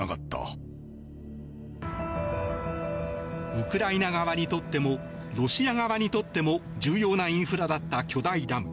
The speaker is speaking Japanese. ウクライナ側にとってもロシア側にとっても重要なインフラだった巨大ダム。